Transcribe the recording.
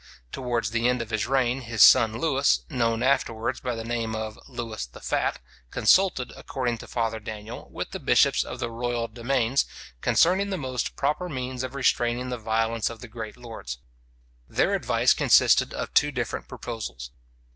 Towards the end of his reign, his son Lewis, known afterwards by the name of Lewis the Fat, consulted, according to Father Daniel, with the bishops of the royal demesnes, concerning the most proper means of restraining the violence of the great lords. Their advice consisted of two different proposals.